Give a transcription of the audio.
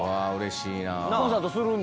うわうれしいな。